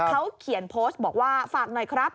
เขาเขียนโพสต์บอกว่าฝากหน่อยครับ